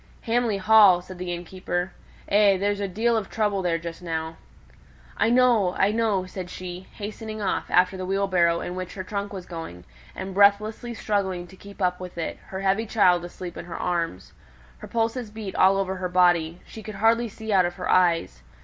"Hamley Hall!" said the innkeeper. "Eh! there's a deal o' trouble there just now." "I know, I know," said she, hastening off after the wheelbarrow in which her trunk was going, and breathlessly struggling to keep up with it, her heavy child asleep in her arms. Her pulses beat all over her body; she could hardly see out of her eyes.